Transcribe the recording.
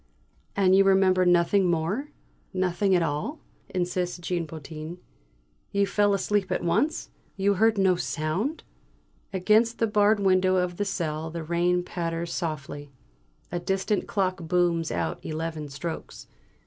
"And you remember nothing more nothing at all?" insists Jean Potin. "You fell asleep at once? You heard no sound?" Against the barred window of the cell the rain patters softly. A distant clock booms out eleven strokes.